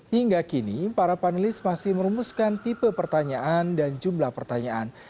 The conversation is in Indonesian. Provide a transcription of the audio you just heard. hingga kini para panelis masih merumuskan tipe pertanyaan dan jumlah pertanyaan